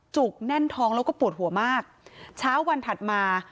จุกแน่นท้องแล้วก็ปวดหัวมากเช้าวันถัดมา